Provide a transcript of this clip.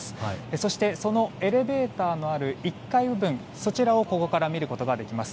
そしてそのエレベーターのある１階部分、そちらをここから見ることができます。